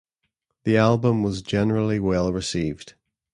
The album was generally well received.